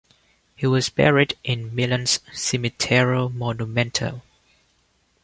He was buried in Milan's Cimitero Monumentale.